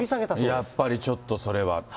やっぱりちょっとそれはと。